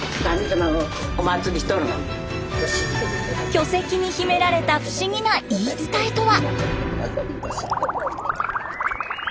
巨石に秘められた不思議な言い伝えとは？